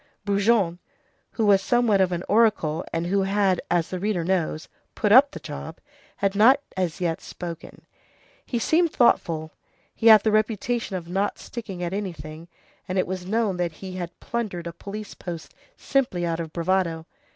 Brujon, who was somewhat of an oracle, and who had, as the reader knows, "put up the job," had not as yet spoken. He seemed thoughtful. He had the reputation of not sticking at anything, and it was known that he had plundered a police post simply out of bravado.